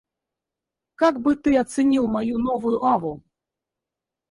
Как бы ты оценил мою новую аву?